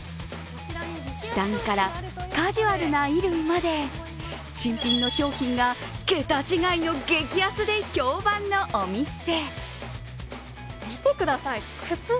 下着からカジュアルな衣類まで新品の商品が桁違いの激安で評判のお店。